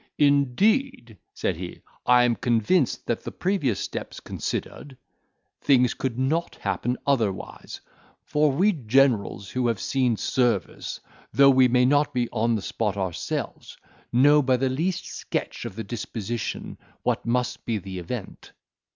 "Indeed," said he, "I am convinced that the previous steps considered, things could not happen otherwise; for we generals who have seen service, though we may not be on the spot ourselves, know by the least sketch of the disposition what must be the event."